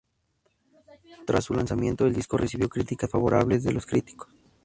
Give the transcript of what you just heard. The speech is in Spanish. Tras su lanzamiento, el disco recibió críticas favorables de los críticos.